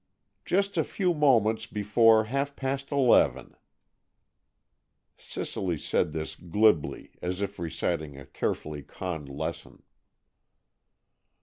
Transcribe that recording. "Just a few moments before half past eleven." Cicely said this glibly, as if reciting a carefully conned lesson.